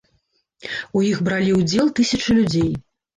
У іх бралі ўдзел тысячы людзей.